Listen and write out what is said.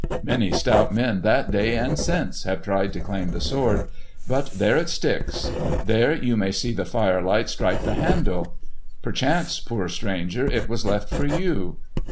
Many stout men that day and since have tried to claim the sword, but there it sticks, there you may see the firelight strike the handle. Perchance, poor stranger, it was left for you!"